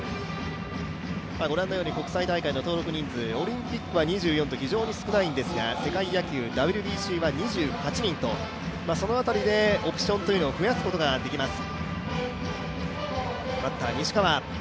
ご覧のように国際大会の登録人数、オリンピックは２４人と非常に少ないんですが、世界野球、ＷＢＣは２８人と、その辺りでオプションを増やすことができます。